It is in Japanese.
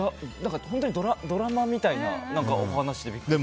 本当にドラマみたいなお話でビックリ。